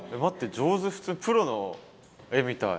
上手プロの絵みたい。